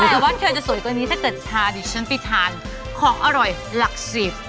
แต่ว่าเธอจะสวยกว่านี้ถ้าเกิดพาดิฉันไปทานของอร่อยหลักสิบ